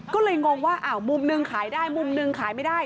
ก็เลยงงว่าอ้าวมุมหนึ่งขายได้มุมหนึ่งขายไม่ได้